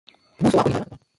Mguso wako, ni baraka kwangu.